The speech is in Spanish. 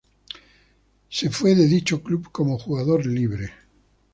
Se fue de dicho club como jugador libre.